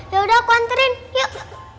yaudah aku anterin yuk